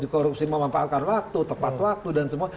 korupsi memanfaatkan waktu tepat waktu dan semua